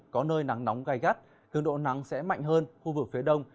có nơi nắng nóng gai gắt cường độ nắng sẽ mạnh hơn khu vực phía đông